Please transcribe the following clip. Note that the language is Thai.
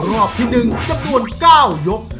รอบที่๑จำนวน๙ยก